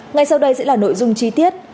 ngay sau đây sẽ là nội dung chi tiết